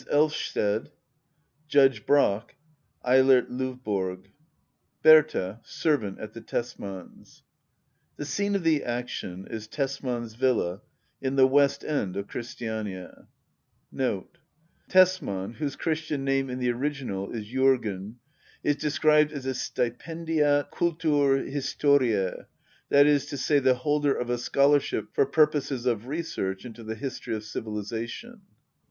Elystbd. Judgb' Brack. ElLBBT LOYBOBG. Bbbta, $erv€Mt ai the Teimam, The teene of the action i$ Tetman^i villas in the wett end ofCfhriiti * Tesman, whose Christian name in the original is " J5rgen,* is described as stipendiat i kulturhistorie*'~that is to say, the holder of a scholarship for purposes of research into the History of Civilisation.